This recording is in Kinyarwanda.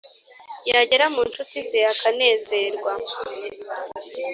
yagera mu ncuti ze akanezerwa.